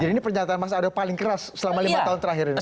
jadi ini pernyataan mas ardo paling keras selama lima tahun terakhir ini